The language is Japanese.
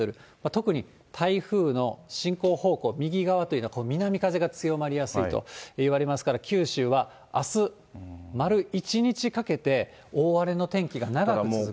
特に台風の進行方向右側というのは、南風が強まりやすいといわれますから、九州はあす丸一日かけて、大荒れの天気が長く続く。